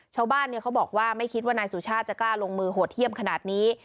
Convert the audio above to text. ชาวบ้านเขาบอกว่าไม่คิดว่านายสุชาติจะกล้าลงมือโหดเยี่ยมขนาดนี้